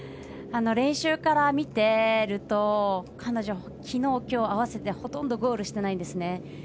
練習から見ていると彼女、きのう、きょう合わせてほとんどゴールしてないんですね。